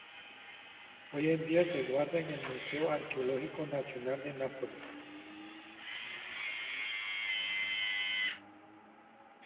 Hoy en día se guarda en el Museo Arqueológico Nacional de Nápoles.